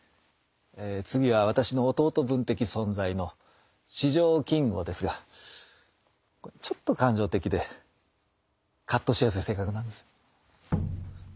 え次は私の弟分的存在の四条金吾ですがちょっと感情的でカッとしやすい性格なんです。